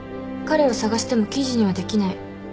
彼を捜しても記事にはできない。